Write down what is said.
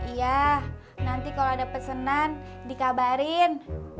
iya nanti kalau ada pesanan dikabarin